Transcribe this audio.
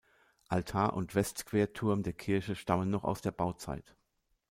Altar und Westquerturm der Kirche stammen noch aus der Bauzeit.